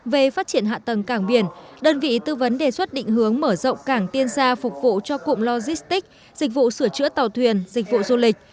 về phát triển hạ tầng cảng biển đơn vị tư vấn đề xuất định hướng mở rộng cảng tiên sa phục vụ cho cụm logistic dịch vụ sửa chữa tàu thuyền dịch vụ du lịch